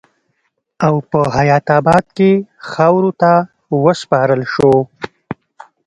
او پۀ حيات اباد کښې خاورو ته وسپارل شو